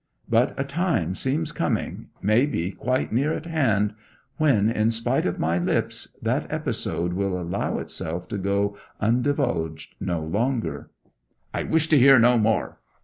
But a time seems coming may be quite near at hand when, in spite of my lips, that episode will allow itself to go undivulged no longer.' 'I wish to hear no more!'